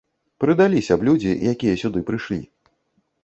Прыдаліся б людзі, якія сюды прышлі.